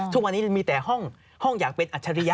ทุกวันนี้มีแต่ห้องอยากเป็นอัจฉริยะ